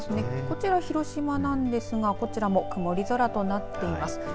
こちら、広島なんですがこちら曇り空となっています。